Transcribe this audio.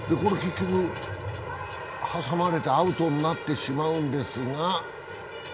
結局、挟まれてアウトになってしまうんですが。